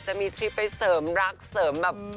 จะมีทริปไปเสริมรักเสริมแบบ